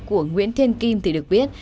của nguyễn thiên kim thì được biết